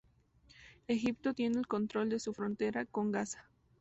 Egipto tiene el control de su frontera con Gaza.